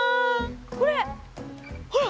これほら。